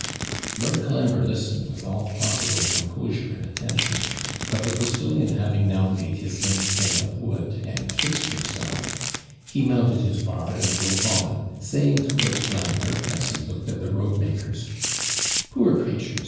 Lord Colambre listened with all possible composure and attention; but the postillion having now made his linch pin of wood, and FIXED HIMSELF; he mounted his bar, and drove on, saying to Lord Colambre, as he looked at the road makers 'Poor CRATURES!